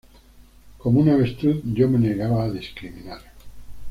Como un avestruz, yo me negaba a discriminar.